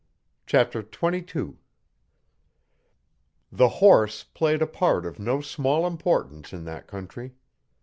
Chapter 22 The horse played a part of no small importance in that country.